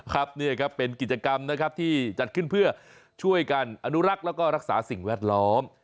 ครับนี่เป็นกิจกรรมที่จัดขึ้นเพื่อช่วยกันอนุรักษ์และรักษาสิ่งแวดล้อม